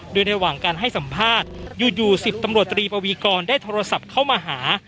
โดยระหว่างการให้สัมภาษณ์อยู่๑๐ตำรวจตรีปวีกรได้โทรศัพท์เข้ามาหา